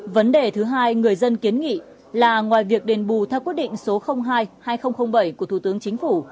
vấn đề thứ hai người dân kiến nghị là ngoài việc đền bù theo quyết định số hai hai nghìn bảy của thủ tướng chính phủ